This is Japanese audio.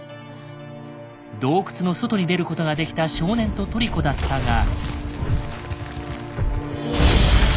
洞窟の外に出ることができた少年とトリコだったが。